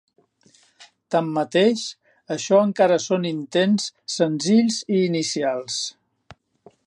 Tanmateix, això encara són intents senzills i inicials.